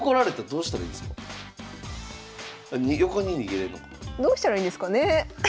どうしたらいいんですかね。